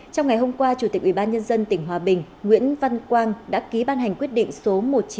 trong ngày hôm qua chủ tịch ubnd tỉnh hòa bình nguyễn văn quang đã ký ban hành quyết định số một nghìn chín trăm bảy mươi một